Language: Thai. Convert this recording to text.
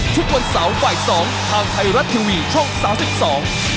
ทุกวันเสาร์ฝ่าย๒ทางไทรัตทีวีช่อง๓๒